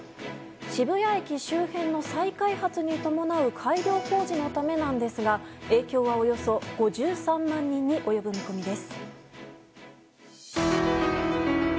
渋谷駅周辺の再開発に伴う改良工事のためなんですが影響はおよそ５３万人に及ぶ見込みです。